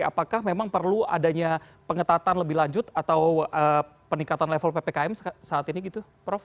apakah memang perlu adanya pengetatan lebih lanjut atau peningkatan level ppkm saat ini gitu prof